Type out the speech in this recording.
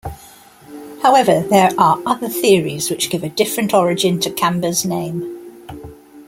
However, there are other theories which give a different origin to Cambre's name.